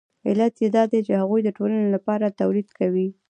علت یې دا دی چې هغوی د ټولنې لپاره تولید کوي